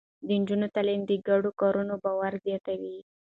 د نجونو تعليم د ګډو کارونو باور زياتوي.